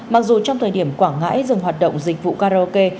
mặc dù trong thời điểm quảng ngãi dừng hoạt động dịch vụ karaoke